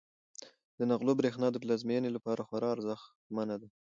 د نغلو برښنا د پلازمینې لپاره خورا ارزښتمنه ده.